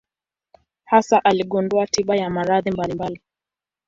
Hasa aligundua tiba ya maradhi mbalimbali.